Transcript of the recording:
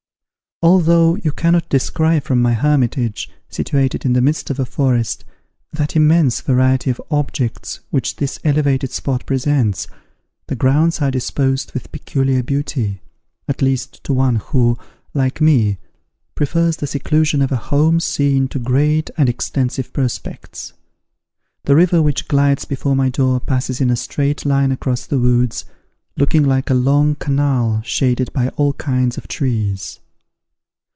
Although you cannot descry from my hermitage, situated in the midst of a forest, that immense variety of objects which this elevated spot presents, the grounds are disposed with peculiar beauty, at least to one who, like me, prefers the seclusion of a home scene to great and extensive prospects. The river which glides before my door passes in a straight line across the woods, looking like a long canal shaded by all kinds of trees.